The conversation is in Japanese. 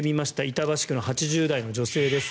板橋区の８０代の女性です。